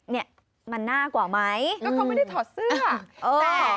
นี่น่ากว่ามั้ยก็เค้ามันไม่ได้ถอดเสื้อ